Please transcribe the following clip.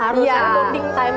harus ada bonding time